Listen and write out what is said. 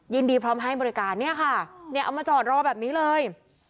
ยินดีพร้อมให้บริการนี่ค่ะเอามาจอดรอแบบนี้เลย